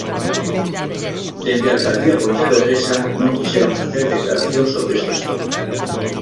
Dende a alcaldía pontevedresa non quixeron facer declaracións sobre este asunto.